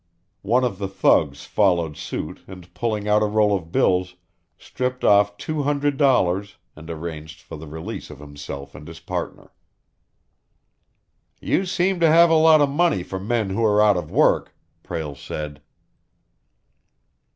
One of the thugs followed suit and pulling out a roll of bills, stripped off two hundred dollars, and arranged for the release of himself and his partner. "You seem to have a lot of money for men who are out of work," Prale said.